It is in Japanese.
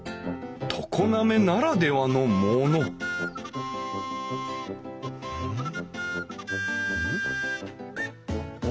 常滑ならではのものうん？